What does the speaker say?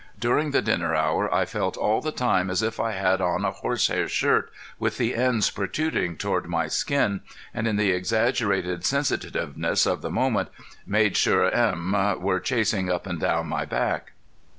During the dinner hour I felt all the time as if I had on a horsehair shirt with the ends protruding toward my skin, and, in the exaggerated sensitiveness of the moment, made sure "'em" were chasing up and down my back.